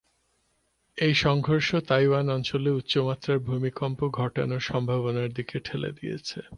এই সংঘর্ষ তাইওয়ান অঞ্চলে উচ্চমাত্রার ভূমিকম্প ঘটানোর সম্ভাবনার দিকে ঠেলে দিয়েছে।